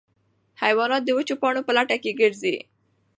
حیوانات د وچو پاڼو په لټه کې ګرځي.